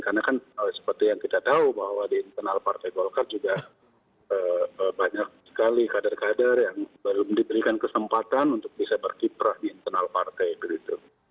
karena kan seperti yang kita tahu bahwa di internal partai golkar juga banyak sekali kader kader yang baru diberikan kesempatan untuk bisa berkiprah di internal partai gitu